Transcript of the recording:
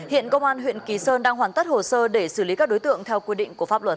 hiện công an huyện kỳ sơn đang hoàn tất hồ sơ để xử lý các đối tượng theo quy định của pháp luật